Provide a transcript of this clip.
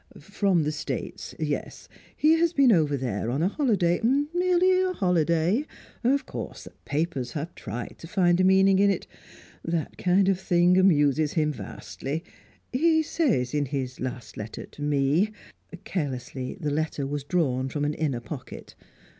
"From the States yes. He has been over there on a holiday merely a holiday. Of course, the papers have tried to find a meaning in it. That kind of thing amuses him vastly. He says in his last letter to me " Carelessly, the letter was drawn from an inner pocket.